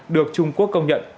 được trung quốc công nhận